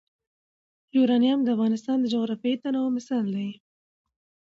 یورانیم د افغانستان د جغرافیوي تنوع مثال دی.